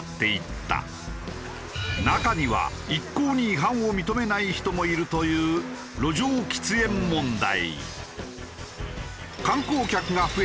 中には一向に違反を認めない人もいるという路上喫煙問題。